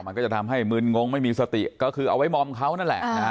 มันก็จะทำให้มึนงงไม่มีสติก็คือเอาไว้มอมเขานั่นแหละ